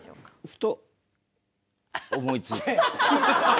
ふと思いつくの？